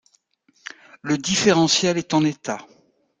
Le différentiel est en état.